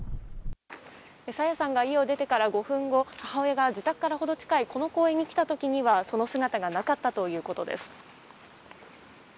朝芽さんが家を出てから５分後母親が自宅から程近いこの公園に来た時にはその姿がなかったということです。